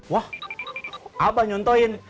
wah abah nyontohin